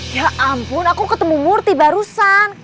ya ampun aku ketemu murti barusan